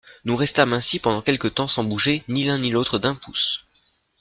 Nous restâmes ainsi pendant quelque temps sans bouger ni l'un ni l'autre d'un pouce.